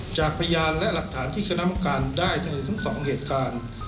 จากพยานและหลักฐานที่คณะกรรมการได้เธอทั้งสองเหตุการณ์